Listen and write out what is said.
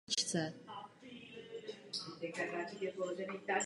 Mluví západním dialektem jazyka ázerbájdžánského.